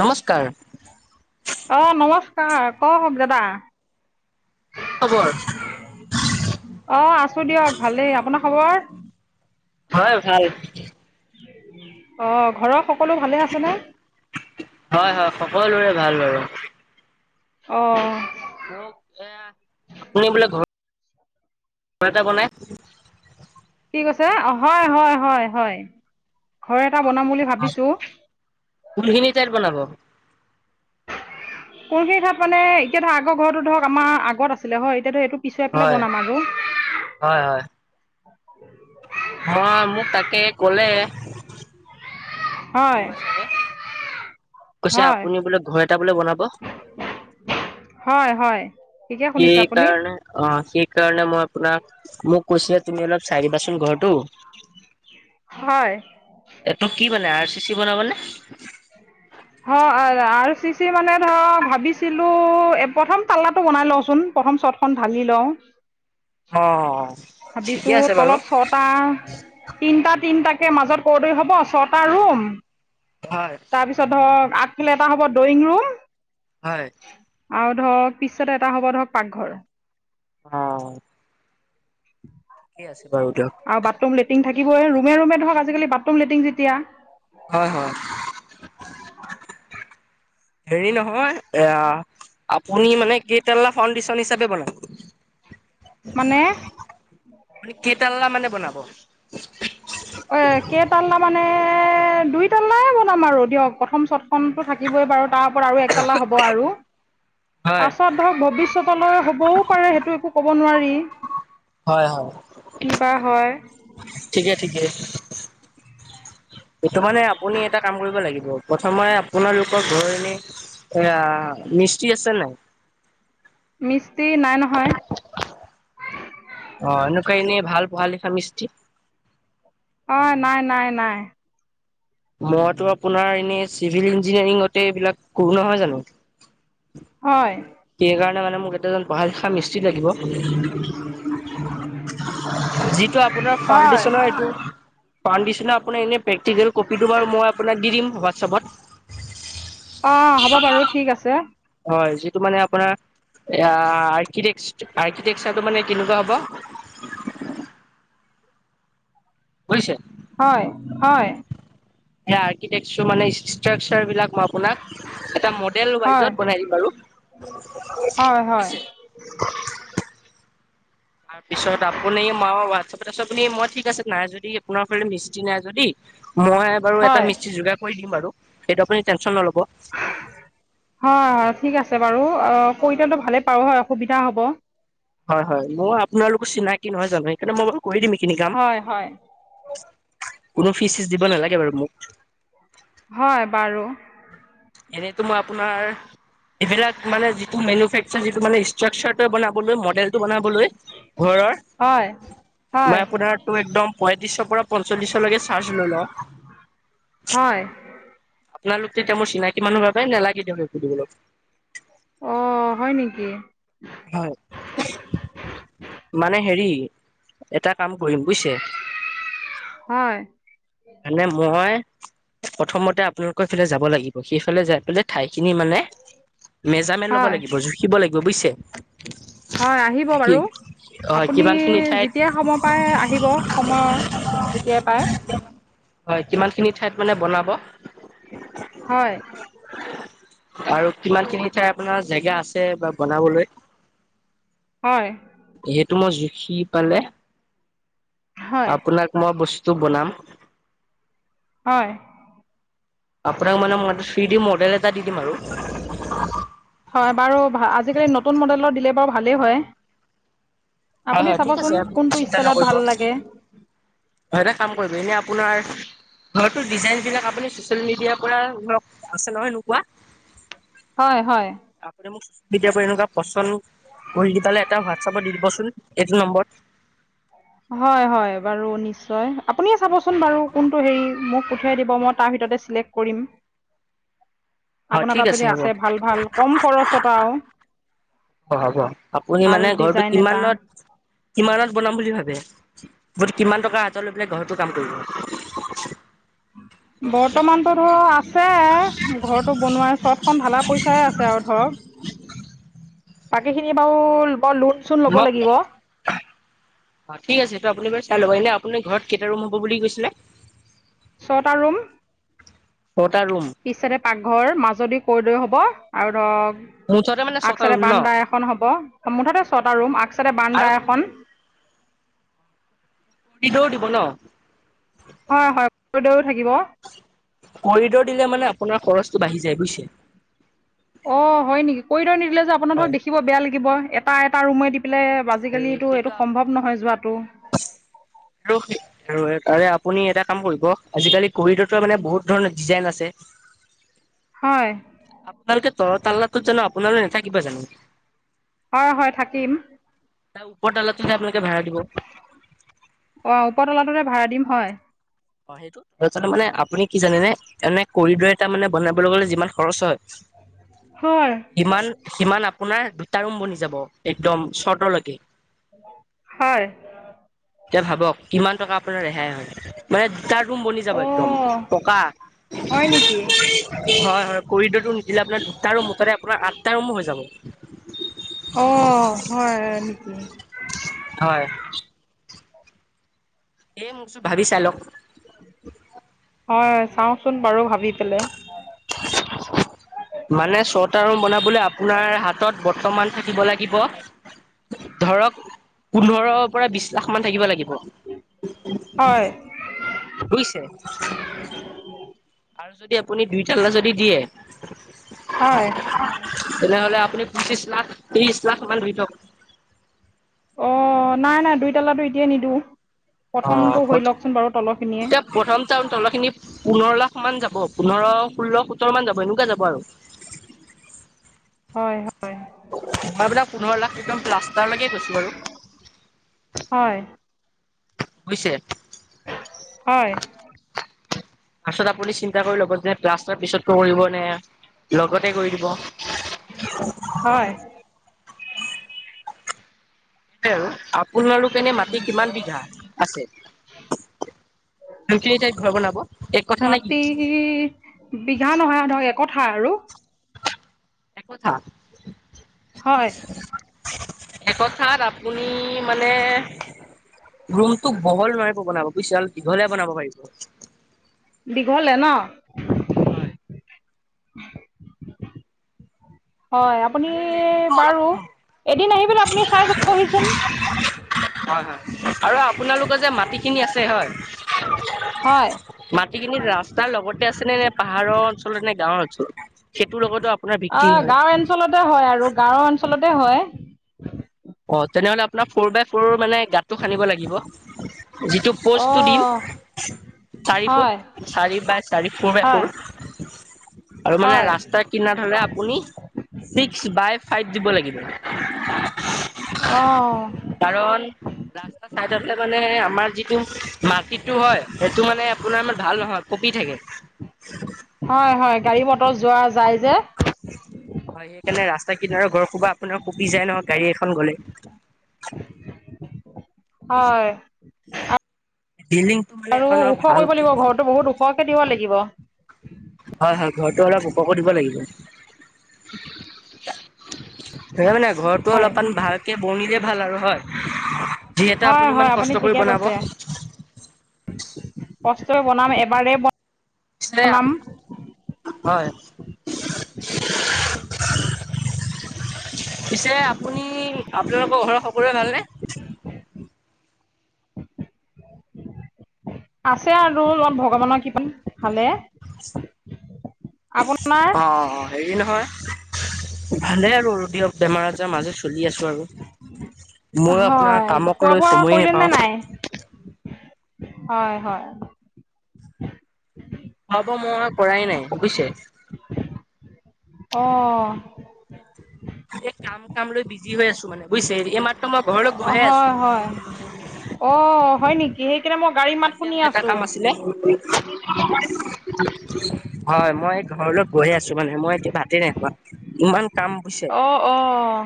নমস্কাৰ। অ', নমস্কাৰ, কওঁক দাদা। কি খবৰ। অ', আছো দিয়ক ভালেই, আপোনাৰ খবৰ। হয়, ভাল। অ', ঘৰৰ সকলো ভালে আছেনে। হয়-হয়, সকলোৰে ভাল বাৰু। অ'। মোক এ আপুনি বোলে ঘ- ঘৰ এটা বনাই। কি কৈছে, হয়, হয়-হয়-হয়, ঘৰ এটা বনাম বুলি ভাবিছো। কোনখিনি ঠাইত বনাব। কোনখিনি ঠাইত মানে এতিয়া ধৰক আগৰ ঘৰটো ধৰক আমাৰ আগত আছিলে হয়, এতিয়াটো সেইটো পিছুৱাই পেলাই হয় বনাম আৰু। হয়- হয়। হয়, মোক তাকে ক'লে। হয় বৰুৱা চাৰে, কৈছে হয় আপুনি বোলে ঘৰ এটা বোলে বনাব। হয়- হয়। ঠিকে শুনিছে সেই আপুনি কাৰণে অ', সেইকাৰণে মই আপোনাক, মোক কৈছে। তুমি অলপ চাই দিবাচোন ঘৰটো, হয় এইটো কি মানে আৰ চি চি বনাব নে। হয়, [unintelligible] আৰ চি চি মানে ধৰ ভাবিছিলো প্ৰথম পাল্লাটো বনাই লওঁচোন, প্ৰথম চত এখন ঢালি লওঁ। অ', ঠিকে আছে বাৰু। [unintelligible] তিনিটা তিনিটাকে মাজত কৰদৰি হ'ব, ছটা ৰুম। হয়। পিছত ধৰ আগপিনে এটা হ'ব ড্ৰয়িং হয় ৰুম। আৰু ধৰক পিছ ছাইদে এটা হ'ব ধৰক পাকঘৰ। অ। ঠিকে আছে বাৰু দিয়ক। আৰু বাথৰুম লেত্ৰিং থাকিবই। ৰুমে ৰুমে ধৰক আজি-কালি বাথৰুম, লেট্ৰিন যেতিয়া। হয়, হয়। হেৰি নহয় এয়া আপুনি মানে কেইটাল্লা ফাউনডেচন হিচাপে বনাব? মানে? আপুনি কেইতাল্লা মানে বনাব? এ কেইতাল্লা মানে দুই তাল্লাই বনাম আৰু দিয়ক। প্ৰথম চত প্ৰথমটো থাকিবই বাৰু। তাৰ ওপৰত আৰু একতালা হ'ব আৰু। হয়। পাছত টো ভৱিষ্যতলৈ হ'বও পাৰে। সেইটো একো ক'ব নোৱাৰি। হয়, হয়। কি বা হয় ঠিকে, ঠিকে। এইটো মানে আপুনি এটা কাম কৰিব লাগিব। প্ৰথমে আপোনালোকৰ ঘৰত এনেই আ মিস্ত্ৰী আছে নে নাই? মিস্ত্ৰী নাই নহয়। অ এনেকুৱা এনে ভাল পঢ়া লিখা মিস্ত্ৰী। অ নাই, নাই, নাই। মইতো আপোনাৰ এনে চিভিল ইঞ্জিনিয়াৰিঙতে এইবিলাক কৰো নহয় জানো। [inaudible] হয়। কেই কাৰণ মানে মোক এজন পঢ়া লিখা মিস্ত্ৰী লাগিব। যি এইটো আপোনাৰ হয়, ফাউণ্ডডেচনৰ এইটো ফাউণ্ডডেচনৰ আপোনাৰ এনে প্ৰেক্টিকেল কপিটো বাৰু মই আপোনাক দি দিম হোৱাটছআপত। অ হ'ব বাৰু, ঠিক আছে। হয় যি টো মানে আপোনাৰ আ আৰ্কিটেক আৰ্কিটেকছাৰটো মানে কেনেকুৱা হ'ব? বুইছে? হয়, হয়। সেই আৰ্কিটেকছাৰ মানে ষ্ট্ৰাকচাৰবিলাক ম আপোনাক এটা মডেল হয়, হয়, ভাইজত বনাই দিম বাৰু। হয়, হয়, বুজিছে তাৰপিছত আপুনি মই হোৱাটছআপত আছো। আপুনি মই ঠিক আছে নাই যদি আপোনাৰ ফালে মিস্ত্ৰী নাই যদি মই বাৰু এটা হয়, মিস্ত্ৰী যোগাৰ কৰি দিম বাৰু। সেইটো আপুনি টেনচন নল'ব। হয়, হয় ঠিক আছে বাৰু। অ কৈ হয় দিয়াটো হয় ভালে পাও হয় অসুবিধা হ'ব। হয়, হয়। মই আপোনালোকো চিনাকি নহয় জানো। সেইকাৰণে মই বাৰু কৰি দিম এইখিনি কাম। হয়, হয়, কোনো ফিজ-চিচ দিব নালাগে বাৰু মোক। হয়, বাৰু। এনেটো মই আপোনাৰ এইবিলাক মানে যিটো মেনোফেকচাৰ যিটো মানে ষ্ট্ৰাকচাৰটো বনাবলৈ মডেলটো বনাবলৈ ঘৰৰ হয়, হয়, মই আপোনাৰ টো একদম পয়ত্ৰিছৰ পৰা পঞ্চল্লিছলৈকে চাৰ্জ লৈ লও। হয়, আপোনালোক তেতিয়া মোৰ চিনাক কিমাননো ভাৰা পাই নালাগে দিয়ক সেইবোৰ দিবলৈ। অ, হয় নেকি? হয়, মানে হেৰি এটা কাম কৰিম বুইছে। হয়। এনে মই প্ৰথমতে আপোনালোকৰ সেইফালে যাব লাগিব। সেইফালে যাই পেলাই ঠাইখিনি মানে মেজাৰমেণ্ট ল'ব হয়, লাগিব, জুখিব লাগিব, বুইছে? হয় আহিব বাৰু। আপুনি কিমান খিনি ঠাইত যেতিয়াই সময় পায় আহিব। সময় যেতিয়াই পায়। হয়, কিমানখিনি ঠাইত মানে বনাব? হয়। আৰু কিমানখিনি ঠাই আপোনাৰ জেগা আছ এ বা বনাবলৈ? হয়। সেইটো মই জুখি পালে হয়, আপোনাক মই বস্তু বনাম। হয়। আপোনাক মানে মই থ্ৰী ডি মডেল এটা দি দিম আৰু। হয় বাৰু আজি-কালি নতুন মডেলৰ দিলে বাৰু ভালেই হয়। হয় আপুনি হয় ঠিক চাবচোন আছে আপুনি কোনটো ষ্টাইলত ভাল লাগে। অ এটা কাম কৰিব। এনে আপোনাৰ ঘৰটোৰ ডিজাইনবিলাক আপুনি চচিয়েল মিডিয়াৰ পৰা ধৰক আছে নহয় এনেকুৱা। হয়, হয়। আপুনি মোক ছ'চিয়েল মিডিয়াৰ পৰা এনেকুৱা পচন্দ কৰি দি পেলে এটা হোৱাটছএপত দি দিবচোন এইটো নম্বৰত। হয় হয় বাৰু নিশ্চয়। আপুনিয়ে চাবচোন বাৰু কোনটো হেৰি মোক পঠিয়াই দিব মই তাৰ ভিতৰতে চিলেক কৰিম। [inaudible] হয় আপোনাৰ ঠিক তাত যদি হ'ব আছে ভাল ভাল কম খৰচত আও। অ হ'ব। আপুনি মানে ঘৰটো ডিজাইন এটা কিমানত কিমানত বনাম বুলি ভাবে? কিমান টকা হাতত লৈ পেলাই ঘৰতো কাম কৰিব? বৰ্তমানতো ধৰ আছে। ঘৰটো বনোৱা চটখন ঢলা পইচাই আছে আৰু ধৰক। [inaudible] বাকীখিনি বাৰু মই লোন চোন ল'ব মক লাগিব অ ঠিক আছে সেইটো আপুনি বাৰু চাই ল'ব। এনে আপুনি ঘৰত কেইটা ৰুম হ'ব বুলি কৈছিলে? ছটা ৰুম। ছটা ৰুম? পিছ ছাইডে পাকঘৰ, মাজদি কৰীডৰ হ'ব আৰু মোৰ ওচৰতে মানে ধৰক আগ ছটা চাইডে ৰুম ন বান্দা এখন হ'ব। মুঠতে ছটা ৰুম। আগ চাইডে আৰু বান্দা এখন। পিদৌৰ দিব ন? হয়, হয় কৰিডৰো থাকিব। কৰিডৰ দিলে মানে আপোনাৰ খৰচটো বাঢ়ি যায় বুইছে। অ হয় নেকি? কৰীডৰ নিদিলে যে আপোনাৰ হয় ধৰক দেখিব বেয়া লাগিব। এটা এটা ৰুমে দি [unintelligible] আজি-কালিতো সেইটো এইটো সম্ভৱ নহয় যোৱাটো। [unintelligible] আৰু তাৰে আপুনি এটা কাম কৰিব। আজি-কালি কৰিডৰটো মানে বহুত ধৰণৰ ডিজাইন আছে। [inaudible] হয়। আপোনালোকে তলৰ তাল্লাটোত জানো আপোনালোক নেথাকিব জানো? হয়, হয় থাকিম। তাৰ ওপৰতাল্লাটোতহে আপোনালোকে ভাড়া দিব। অ ওপৰ তলাটোতহে ভাড়া দিম, হয়। অ সেইটো তাৰপিছতে মানে আপুনি কি জানেনে? এনে কৰিডৰে তাৰমানে বনাবলে গ'লে যিমান খৰচ হয় হয় সিমান কিমান আপোনাৰ দুটা ৰুম বনি যাব একদম চৰ্টলৈকে। হয়। এতিয়া ভাবক কিমান টকা আপোনাৰ ৰেহাই হয়। মানে দুটা ৰুম বনি যাব একদম অ' পকা। হয় নেকি হয় আৰু কৰিডৰটো নিদিলে আপোনাৰ দুটা ৰুম মুঠতে আপোনাৰ আঠটা ৰুমো হৈ যাব। অ, হয় নেকি? হয়। এ মোক চো ভাবি চাই লক। হয়, চাওঁচোন বাৰু ভাবি পেলে। [inaudible] মানে ছটা ৰুম বনাবলে আপোনাৰ হাতত বৰ্তমান থাকিব লাগিব ধৰক পোন্ধৰৰ পৰা বিছ লাখ মান থাকিব লাগিব। হয়। বুইছে? আৰু যদি আপুনি দুই তাল্লা যদি দিয়ে হয়। তেনেহ'লে আপুনি পঁচিছ লাখ, ত্ৰিছ লাখ মান ধই থক। অ নাই, নাই। দুই তাল্লাটো এতিয়াই নিদিওঁ। অ প্ৰথমটো হৈ লওকচোন বাৰু তলৰখিনিয়ে। এতিয়া প্ৰথম টা তলৰখিনি পোন্ধৰ লাখ মান যাব পোন্ধৰ, ষোল্ল, সোত্তৰমান যাব। এনেকুৱা যাব আৰু। হয়, হয়, হয়। মই আপোনাক পোন্ধৰ লাখ একদম প্লাষ্টাৰলৈকে কৈছো বাৰু। হয়। বুইছে? হয়। ফাষ্টত আপুনি চিন্তা কৰি ল'ব যে প্লাষ্টাৰ পিছত কৰিব লাগিব নে লগতে কৰি দিব। [inaudible] হয়। টোৱে আৰু আপোনালোক এনে মাটি কিমান বিঘা আছে? যোনখিনি তাইত ঘৰ বনাব এক কঠা নে কি? ই বিঘা নহয় আৰু ধৰক একঠা আৰু। একঠা? হয়। একঠাত আপুনি মানে ৰুমটোক বহল নোৱাৰিব বনাব বুইছে। অলপ দীঘলহে বনাব পাৰিব। দীঘলে ন? হয়। হয়, আপুনি মানে লেনটো অলপ বাৰু কম হ'ব এদিন আহি পেলাই আপুনি চাই যাবহিচোন। হয়, হয়। আৰু আপোনালোকে যে মাটিখিনি আছে হয়। হয়। মাটিখিনি ৰাস্তাৰ লগতে আছে নে নে পাহাৰৰ অঞ্চলত নে গাঁওৰ অঞ্চলত? সেইটোৰ লগতো আ অ গাঁওৰ অঞ্চলতে হয় আৰু গাঁওৰ অঞ্চলতে হয়। অ তেনেহ'লে আপোনাৰ ফৰ বাই ফৰৰ মানে গাঁতটো সানিব লাগিব। যিটো পষ্টটো দিম অঁ চাৰি ফুট হয় চাৰি বাই চাৰি ফৰ বাই হয় ফৰ। আৰু মানে হয় ৰাস্তা কিনাৰৰ হ'লে আপুনি ছিক্স বাই ফাইভ দিব লাগিব। অ। কাৰণ ৰাস্তাত চাইডত হ'লে মানে আমাৰ যিটো মাটিটো হয় সেইটো মানে আপোনাৰ ইমান ভাল নহয় কঁপি থাকে। [inaudible] হয়, হয়। গাড়ী মটৰ যোৱা যায় যে। হয়, সেইকাৰণে ৰাস্তা কিনাৰৰ ঘৰ খোপা আপোনাৰ কঁপি যায় ন গাড়ী এখন গলে। বুইছে হয় বিলিং আৰু ওখ কৰিব লাগিব। ঘৰটো বহুত ওখকে দিব লাগিব। হয়, হয়। ঘৰটো অলপ উপকৈ দিব লাগিব। সেই মানে ঘৰটো হয় অলপমান ভালকে বনিলে ভাল আৰু হয়। যি এটা হয় আপুনি ইমান হয় কষ্ট কৰি ঠিকে বনাব। কৈছে কষ্টৰে বনাম, এবাৰে বন [unintelligible] হয়। পিছে আপুনি আপোনালোকৰ ঘৰৰ সকলোৱে ভালনে? আছে আৰু অলপ ভগৱানৰ কৃপাত ভালে। আপোনাৰ অ, অ হেৰি নহয় ভালে আৰু দিয়ক বেমাৰ-আজাৰ মাজে চলি আছো আৰু। ময়ো আপোনাৰ হয়। কামক লৈ খোৱা-বোৱা সময়ে নোপাওঁ কৰিলেনে নাই? হয়, হয়। খোৱা-বোৱা মই কৰাই নাই বুইছে। অ। এ কাম কাম লৈ বিজি হৈ আছো মানে বুইছে। এই মাত্ৰ মই ঘৰলৈ গৈহে আছো। অ' হয় নেকি? সেইকাৰণে মই গাড়ী মাত শুনি আছো। নে [unintelligible] হয়, মই এই ঘৰলৈ গৈয়ে আছো মানে। মই এতিয়া ভাতে নাই [unintelligible] ইমান কাম বুজিছে অ, অ। অ,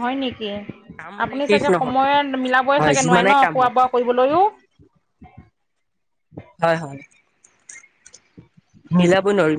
হয় নেকি? কাম মানে আপুনি শেষ চাগে নহয় সময়ে মিলাবই হয় চাগে নোৱাৰে যিমানে ন কাম খোৱা হওক বোৱা কৰিবলৈও? হয়, হয়। [inaudible] মিলাবই নোৱাৰি।